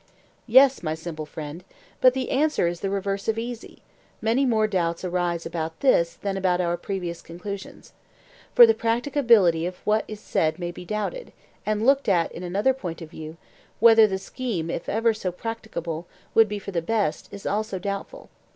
Yes, my simple friend, but the answer is the reverse of easy; many more doubts arise about this than about our previous conclusions. For the practicability of what is said may be doubted; and looked at in another point of view, whether the scheme, if ever so practicable, would be for the best, is also doubtful.